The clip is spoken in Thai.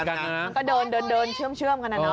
มันก็เดินเดินเดินเชื่อมกันนะ